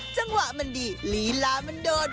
จังหวะมันดีลีลามันโดน